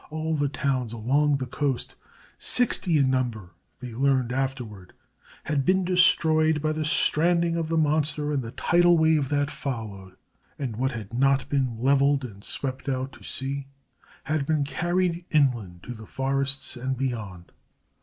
All the towns along the coast, sixty in number they learned afterward, had been destroyed by the stranding of the monster and the tidal wave that followed, and what had not been leveled and swept out to sea had been carried inland to the forests and beyond.